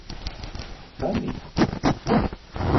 Teqqam-tt?